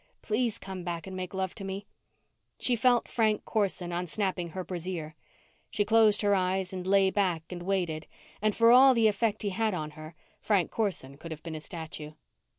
Please come back and make love to me._ She felt Frank Corson unsnapping her brassiere. She closed her eyes and lay back and waited, and for all the effect he had on her, Frank Corson could have been a statue.